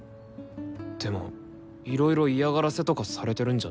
でもいろいろ嫌がらせとかされてるんじゃねの？